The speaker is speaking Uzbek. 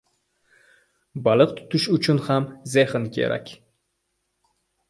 • Baliq tutish uchun ham zehn kerak.